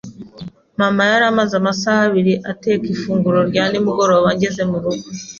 [S] Mama yari amaze amasaha abiri ateka ifunguro rya nimugoroba ngeze murugo.